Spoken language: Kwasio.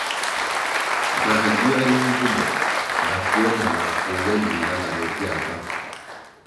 Mā gywēle mbvumbo na puē nah mā pongʼle lunga na bobyal bang.